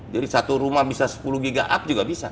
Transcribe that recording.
jadi satu rumah bisa sepuluh giga up juga bisa